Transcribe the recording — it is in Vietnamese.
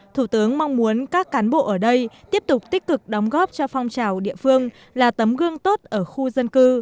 thủ tướng mong muốn các cán bộ ở đây tiếp tục tích cực đóng góp cho phong trào địa phương là tấm gương tốt ở khu dân cư